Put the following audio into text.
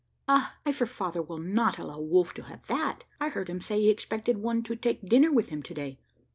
"Ah! I fear father will not allow Wolf to have that. I heard him say he expected one to take dinner with him to day?